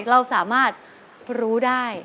เราสามารถรู้ได้